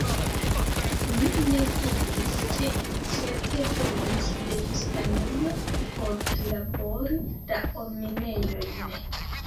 Mi ne dubis, ke ili certe venis de Hispanujo por prilabori la orminejojn.